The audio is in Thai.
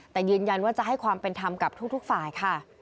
แต่ยืนยันว่าจะให้ความเป็นธรรมกับทุกฝ่ายค่ะ